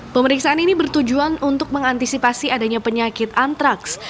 pemeriksaan ini bertujuan untuk mengantisipasi adanya penyakit antraks